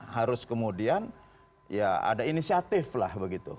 harus kemudian ya ada inisiatif lah begitu